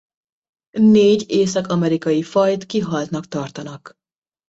Négy észak-amerikai fajt kihaltnak tartanak.